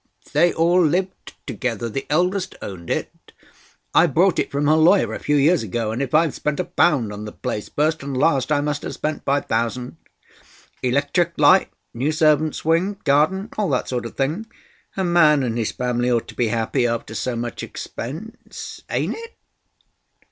They all lived together; the eldest owned it. I bought it from her lawyer a few years ago, and if I've spent a pound on the place first and last, I must have spent five thousand. Electric light, new servants' wing, garden—all that sort of thing. A man and his family ought to be happy after so much expense, ain't it?"